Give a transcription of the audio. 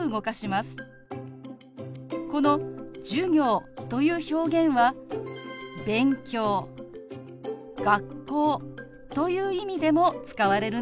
この「授業」という表現は「勉強」「学校」という意味でも使われるんですよ。